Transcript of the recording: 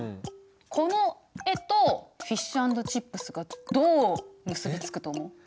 この絵とフィッシュ＆チップスがどう結び付くと思う？